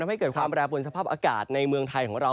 ทำให้เกิดความแปรปวนสภาพอากาศในเมืองไทยของเรา